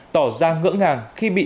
tỏ ra ngỡ ngàng khi bị